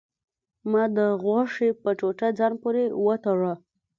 ما د غوښې په ټوټه ځان پورې وتړه.